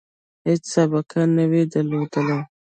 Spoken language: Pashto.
هیڅ سابقه نه وي درلودلې.